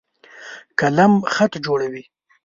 قلم خط جوړوي.